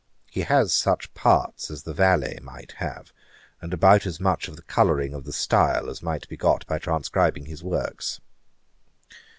He has such parts as the valet might have, and about as much of the colouring of the style as might be got by transcribing his works.'